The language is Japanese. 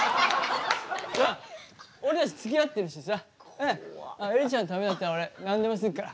俺たちつきあってるしさエリちゃんのためだったら俺何でもするから。